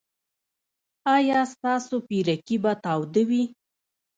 ایا ستاسو پیرکي به تاوده وي؟